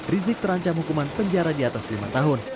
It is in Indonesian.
rizik terancam hukuman penjara di atas lima tahun